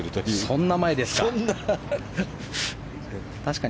そんな前ですか。